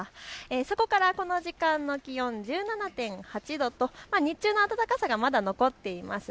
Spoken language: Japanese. そこからこの時間、気温１７．８度と日中の暖かさがまだ残っています。